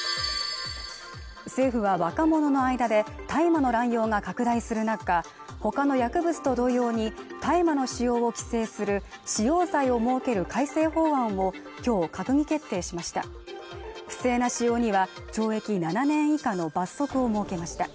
政府は若者の間で大麻の乱用が拡大する中ほかの薬物と同様に大麻の使用を規制する使用罪を設ける改正法案をきょう閣議決定しました不正な使用には懲役７年以下の罰則を設けました